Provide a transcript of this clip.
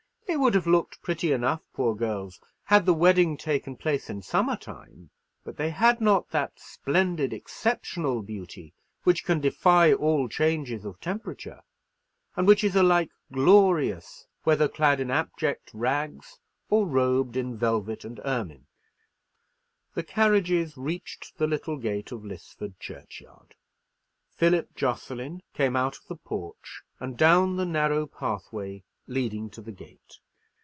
They would have looked pretty enough, poor girls, had the wedding taken place in summer time; but they had not that splendid exceptional beauty which can defy all changes of temperature, and which is alike glorious, whether clad in abject rags or robed in velvet and ermine. The carriages reached the little gate of Lisford churchyard; Philip Jocelyn came out of the porch, and down the narrow pathway leading to the gate.